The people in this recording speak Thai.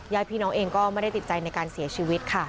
ญาติพี่น้องเองก็ไม่ได้ติดใจในการเสียชีวิตค่ะ